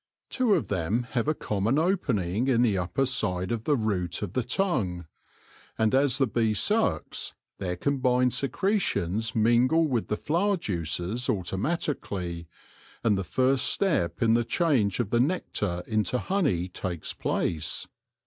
Two of them have a common opening in the upper side of the root of the tongue ; and as the bee sucks, their combined secretions mingle with the flower juices automatically, and the first step in the change of the nectar into honey takes place.